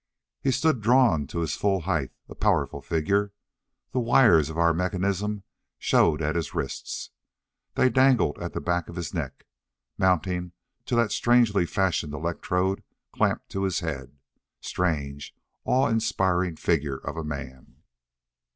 He stood drawn to his full height, a powerful figure. The wires of our mechanism showed at his wrists. They dangled at the back of his neck, mounting to that strangely fashioned electrode clamped to his head. Strange, awe inspiring figure of a man!